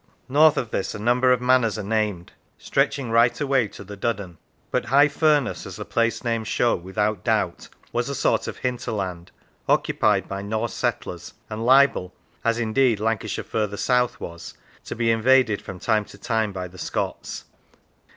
North of this a number of manors are named, stretch ing right away to the Duddon ; but High Furness, as the place names show without doubt, was a sort of hinter land, occupied by Norse settlers, and liable, as indeed Lancashire further south was, to be invaded from time to time by the Scots.